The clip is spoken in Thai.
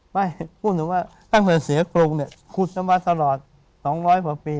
ไม่พูดหน่อยว่าตั้งแต่เสียโกรธเนี่ยขุดจะมาตลอด๒๐๐ปี